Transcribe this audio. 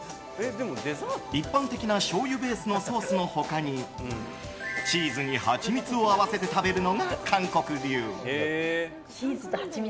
一般的なしょうゆベースのソースの他にチーズにハチミツを合わせて食べるのが韓国流。